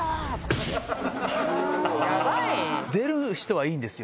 出る人はいいんですよ。